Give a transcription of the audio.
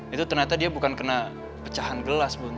itu ternyata dia bukan kena pecahan gelas bun